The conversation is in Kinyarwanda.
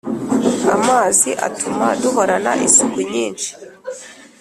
Amazi atuma duhorana isuku nyinshi